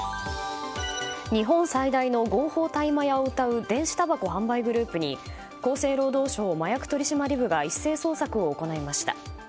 日本最大の合法大麻屋をうたう電子たばこ販売グループに厚生労働省麻薬取締部が一斉捜索を行いました。